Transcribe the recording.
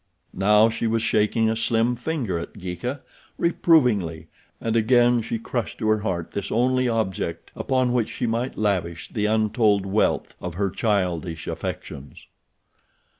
Now she was shaking a slim finger at Geeka, reprovingly, and again she crushed to her heart this only object upon which she might lavish the untold wealth of her childish affections.